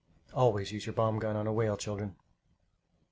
Always use your bomb gun on a whale, children.